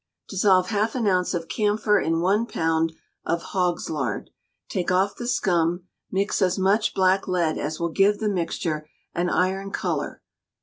Dissolve half an ounce of camphor in one pound of hog's lard; take off the scum: mix as much black lead as will give the mixture an iron colour.